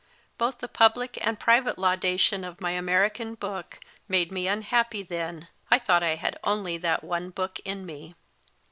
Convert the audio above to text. Both the public and private laudation of my American book made me unhappy then. I thought I had only that one book in me.